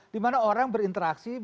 di mana orang berinteraksi